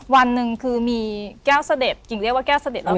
วันหนึ่งคือมีแก้วเสด็จกิ่งเรียกว่าแก้วเสด็จแล้ว